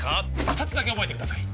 二つだけ覚えてください